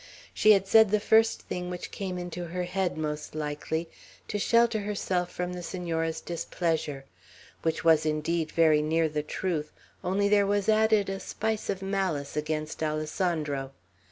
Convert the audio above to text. She had said the first thing which came into her head, most likely, to shelter herself from the Senora's displeasure; which was indeed very near the truth, only there was added a spice of malice against Alessandro.